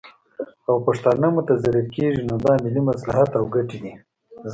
او پښتانه متضرر کیږي، نو دا ملي مصلحت او ګټې دي